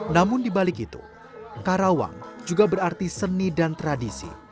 namun dibalik itu karawang juga berarti seni dan tradisi